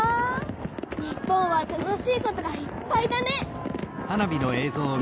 日本は楽しいことがいっぱいだね！